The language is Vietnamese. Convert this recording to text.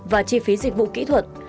và chi phí dịch vụ kỹ thuật